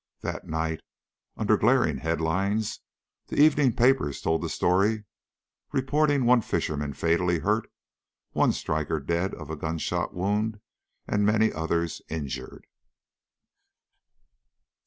That night, under glaring headlines, the evening papers told the story, reporting one fisherman fatally hurt, one striker dead of a gunshot wound, and many others injured.